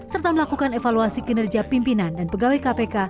serta melakukan evaluasi kinerja pimpinan dan pegawai kpk